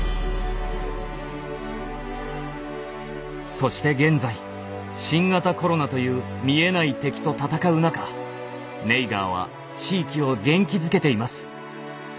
そして現在新型コロナという見えない敵と闘う中ネイガーは地域を元気づけています。